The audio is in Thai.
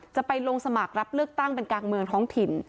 จะไปลงสมัครรับเลือกตั้งเป็นกลางเมืองท้องถิ่น